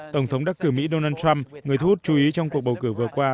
tổng thống đắc cử mỹ donald trump người thu hút chú ý trong cuộc bầu cử vừa qua